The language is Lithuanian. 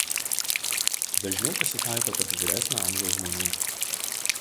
Dažniau pasitaiko tarp vyresnio amžiaus žmonių.